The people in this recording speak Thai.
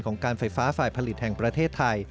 การไฟฟ้าฝ่ายผลิตแห่งประเทศไทย